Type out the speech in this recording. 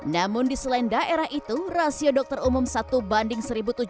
namun di selain daerah itu rasio dokter umum satu banding satu tujuh ratus